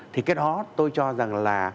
thì cái đó tôi cho rằng là